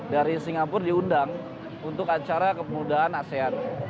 dari singapura diundang untuk acara kemudahan asean